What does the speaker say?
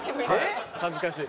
恥ずかしい？